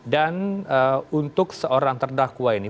dan untuk seorang terdakwa ini